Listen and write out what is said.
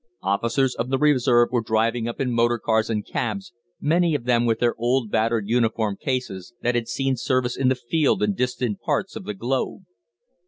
Officers of the Reserve were driving up in motor cars and cabs, many of them with their old battered uniform cases, that had seen service in the field in distant parts of the globe.